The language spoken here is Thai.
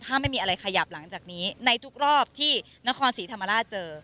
ถ้าไม่มีอะไรขยับหลังจากนี้ในทุกรอบที่นครศรีธรรมราชเจอ